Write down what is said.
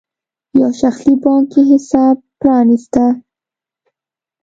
یو شخصي بانکي حساب پرانېسته.